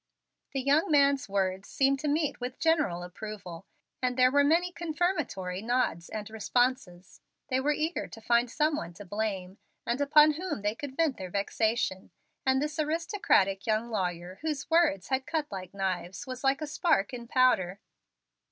The young man's words seemed to meet with general approval, and there were many confirmatory nods and responses. They were eager to find some one to blame, and upon whom they could vent their vexation; and this aristocratic young lawyer, whose words had cut like knives, was like a spark in powder.